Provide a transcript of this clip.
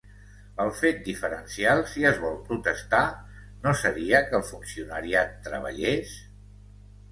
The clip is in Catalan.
El fet diferencial, si es vol protestar, no seria que el funcionariat treballés?